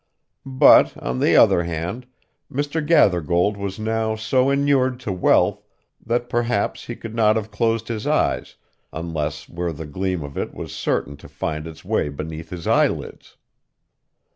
But, on the other hand, Mr. Gathergold was now so inured to wealth, that perhaps he could not have closed his eyes unless where the gleam of it was certain to find its way beneath his eyelids.